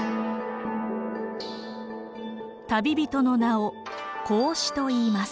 旅人の名を孔子といいます。